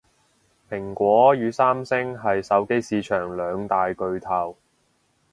蘋果與三星係手機市場兩大巨頭